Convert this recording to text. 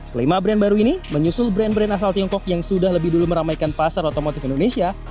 kelima brand baru ini menyusul brand brand asal tiongkok yang sudah lebih dulu meramaikan pasar otomotif indonesia